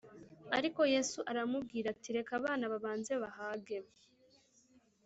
Ariko Yesu aramubwira ati reka abana babanze bahage